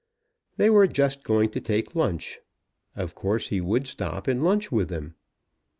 They were just going to take lunch. Of course he would stop and lunch with them.